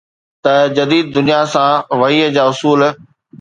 ته جديد دنيا سان وحي جا اصول